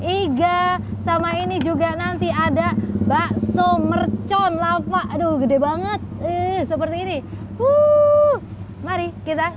iga sama ini juga nanti ada bakso mercon lava aduh gede banget seperti ini uh mari kita